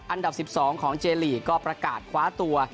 อันดับ๑๒ของเจลีกก็ประกาศคว้าตัว